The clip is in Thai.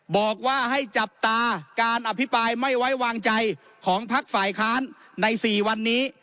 บอกว่าให้จับตาการอภิปรายไม่ไว้วางใจของพักฝ่ายค้านใน๔วันนี้